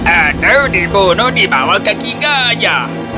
atau dibunuh di bawah kaki kaya